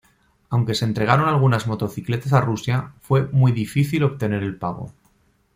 Aunque se entregaron algunas motocicletas a Rusia, fue muy difícil obtener el pago.